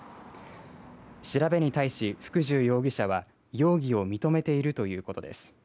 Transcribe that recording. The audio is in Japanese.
調べに対し、福重容疑者は容疑を認めているということです。